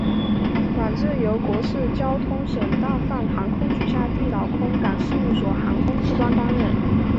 管制由国土交通省大阪航空局下地岛空港事务所航空管制官担当。